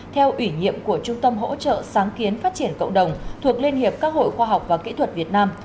theo ủy nhiệm của trung tâm hỗ trợ sáng kiến phát triển cộng đồng thuộc liên hiệp các hội khoa học và kỹ thuật việt nam